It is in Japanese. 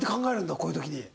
こういう時に。